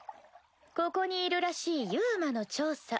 ここにいるらしいＵＭＡの調査。